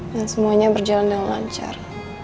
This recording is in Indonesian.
dan semuanya berjalan dengan lancar